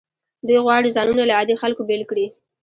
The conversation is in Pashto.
دوی غواړي ځانونه له عادي خلکو بیل کړي.